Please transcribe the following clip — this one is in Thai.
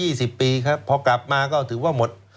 มีครับ๒๐ปีครับพอกลับมาก็ถือว่าหมด